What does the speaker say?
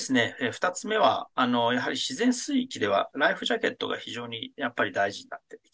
２つ目はやはり自然水域ではライフジャケットが非常に大事になってきますね。